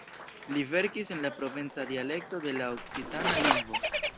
Li verkis en la provenca dialekto de la okcitana lingvo.